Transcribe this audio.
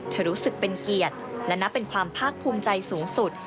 รู้สึกเป็นเกียรติและนับเป็นความภาคภูมิใจสูงสุด